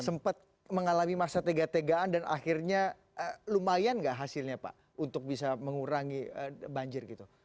sempat mengalami masa tega tegaan dan akhirnya lumayan nggak hasilnya pak untuk bisa mengurangi banjir gitu